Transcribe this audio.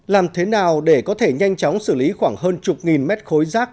làm thế nào để có thể nhanh chóng xử lý khoảng hơn chục nghìn mét khối rác